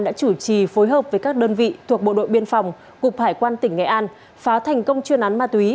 đã chủ trì phối hợp với các đơn vị thuộc bộ đội biên phòng cục hải quan tỉnh nghệ an phá thành công chuyên án ma túy